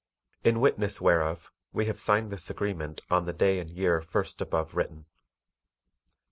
IN WITNESS WHEREOF we have signed this agreement on the day and year first above written.